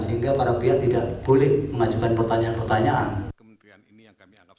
sehingga para pihak tidak boleh mengajukan pertanyaan pertanyaan